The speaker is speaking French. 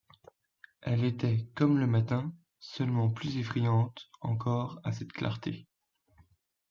Elle était comme le matin, seulement plus effrayante encore à cette clarté.